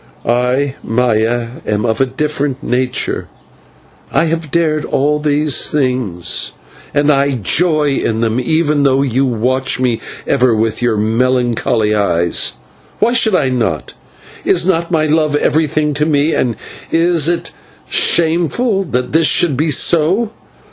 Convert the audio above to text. I, Maya, am of a different nature, I have dared all these things and I joy in them, even though you watch me ever with your melancholy eyes. Why should I not? Is not my love everything to me, and is it shameful that this should be so?